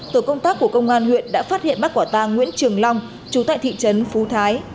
tổ công tác của công an huyện đã phát hiện bác quả tàng nguyễn trường long trú tại thị trấn phú thái